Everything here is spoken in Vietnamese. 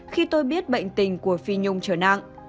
khi tôi biết bệnh tình của phi nhung trở nặng